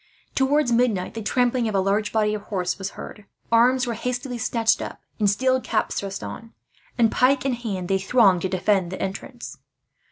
Towards midnight, the trampling of a large body of horse was heard. Arms were hastily snatched up and steel caps thrust on and, pike in hand, they thronged to defend the entrance.